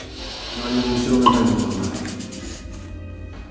何も後ろめたいことはない。